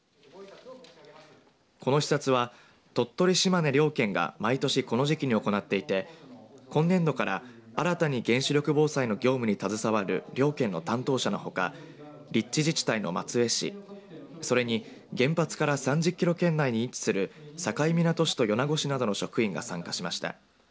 この視察は鳥取島根両県が毎年この時期に行っていて今年度から新たに原子力防災の業務に携わる両県の担当者のほか立地自治体の松江市それに原発から３０キロ圏内に位置する境港市と米子市などの職員が参加しました。